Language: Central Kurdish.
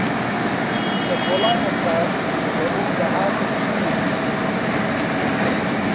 لە کۆڵانێکدا ڕووبەڕووم دەهات و جنێوی دەدا